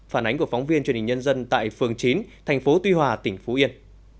phản ánh của phóng viên truyền hình nhân dân tại phường chín thành phố tuy hòa tỉnh phú yên